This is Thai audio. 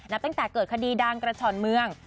ตั้งแต่เกิดคดีดังกระฉ่อนเมือง